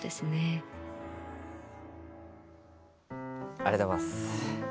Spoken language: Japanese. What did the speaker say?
ありがとうございます。